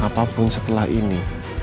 apapun setelah ini